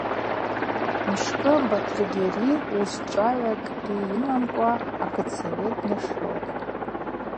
Мшкӏы Батыргьари, уыс чӏвагӏвакӏгьи йымамкӏва, акытсовет днашылтӏ.